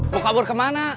mau kabur kemana